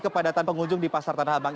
kepadatan pengunjung di pasar tanah abang